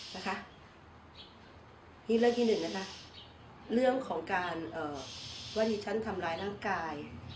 นี่เรื่องที่หนึ่งนะคะเรื่องของการว่าดิฉันทำร้ายร่างกาย